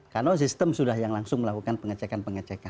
karena sistem sudah yang langsung melakukan pengecekan pengecekan